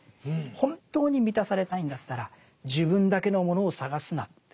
本当に満たされたいんだったら自分だけのものを探すなって。